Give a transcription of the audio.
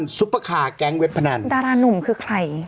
ซซุปเปอร์ค่าแกงเวฟพ่านั่นดารานุ่มคือใคร